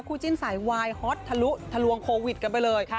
จิ้นสายวายฮอตทะลุทะลวงโควิดกันไปเลย